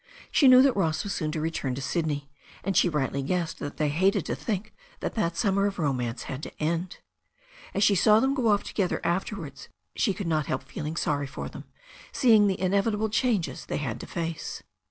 She knew that Ross was soon to return to Sydney, and she rightly guessed that they hated to think that that summer of romance had to end. As she saw them go off together afterwards she could not help feeling sorry for them, seeing the inevitable changes they had to face.